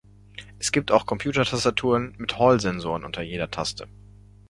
Es gibt auch Computertastaturen mit Hall-Sensoren unter jeder Taste.